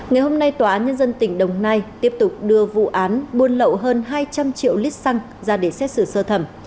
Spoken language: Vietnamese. ngày hôm nay tòa án nhân dân tỉnh đồng nai tiếp tục đưa vụ án buôn lậu hơn hai trăm linh triệu lít xăng ra để xét xử sơ thẩm